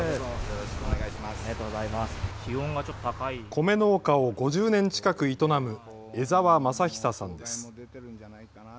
米農家を５０年近く営む江澤正久さんです。